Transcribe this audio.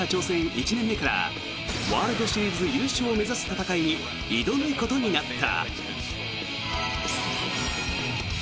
１年目からワールドシリーズ優勝を目指す戦いに挑むことになった。